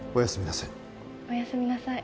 おやすみなさい